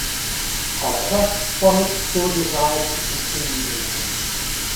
However, Bonnett still desired to continue racing.